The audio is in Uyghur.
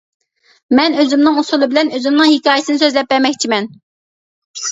مەن ئۆزۈمنىڭ ئۇسۇلى بىلەن ئۆزۈمنىڭ ھېكايىسىنى سۆزلەپ بەرمەكچىمەن.